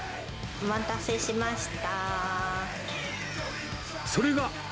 お待たせしました。